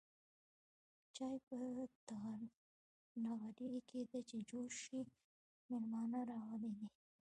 چاي په نغرې کيده چې جوش شي ميلمانه راغلي دي.